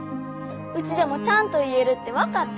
ウチでもちゃんと言えるって分かったわ。